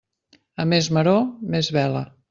A més maror, més vela.